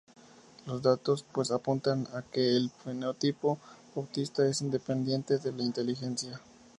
Los datos, pues, apuntan a que el fenotipo autista es independiente de la inteligencia.